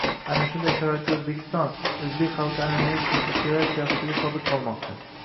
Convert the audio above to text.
Ana shunday sharoitda O‘zbekiston, o‘zbek xalqi an’anaviy tinchliksevar siyosatiga sodiq qolmoqda